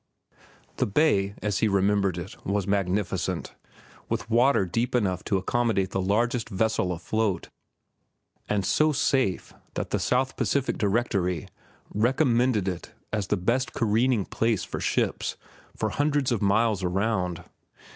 The bay, as he remembered it, was magnificent, with water deep enough to accommodate the largest vessel afloat, and so safe that the South Pacific Directory recommended it as the best careening place for ships for hundreds of miles around.